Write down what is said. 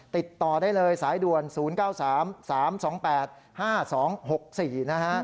ติดต่อได้เลยสายด่วน๐๙๓๓๒๘๕๒๖๔นะฮะ